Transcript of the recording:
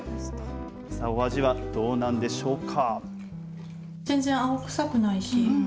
さあ、お味はどうなんでしょうか。